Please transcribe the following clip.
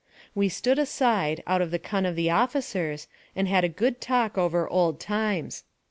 We stood aside, out of the cun of the officers, and had a good talk over old times.